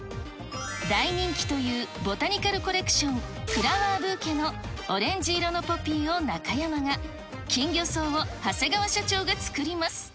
大人気というボタニカルコレクション、フラワーブーケのオレンジ色のポピーを中山が、キンギョソウを長谷川社長が作ります。